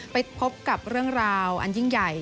ไปพบกับเรื่องราวอันยิ่งใหญ่